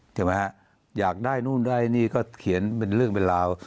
ใช่ไหมฮะอยากได้นู่นได้นี่ก็เขียนเป็นเรื่องเป็นราว